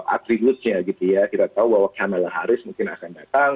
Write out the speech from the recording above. atributnya gitu ya kita tahu bahwa kamala harris mungkin akan datang